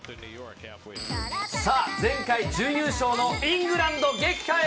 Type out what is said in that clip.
さあ、前回準優勝のイングランド撃破へ。